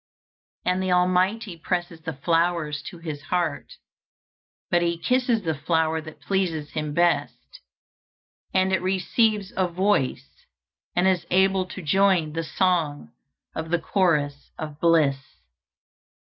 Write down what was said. And the Almighty presses the flowers to His heart, but He kisses the flower that pleases Him best, and it receives a voice, and is able to join the song of the chorus of bliss."